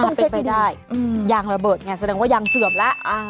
อ่าไปไปได้อืมยางระเบิดไงแสดงว่ายางเสือบแล้วอ่า